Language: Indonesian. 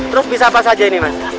terus bisa apa saja ini mas